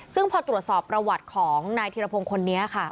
ซึ่งพอตรวจสอบประวัติของนายธิรพงศ์คนนี้ค่ะ